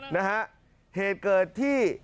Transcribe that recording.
นะฮะเหตุเกิดที่